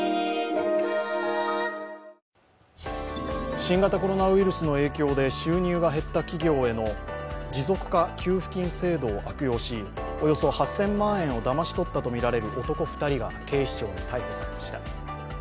新型コロナウイルスの影響で収入が減った企業への持続化給付金制度を悪用しおよそ８０００万円をだまし取ったとみられる男２人が警視庁に逮捕されました。